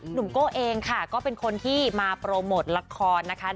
โก้เองค่ะก็เป็นคนที่มาโปรโมทละครนะคะ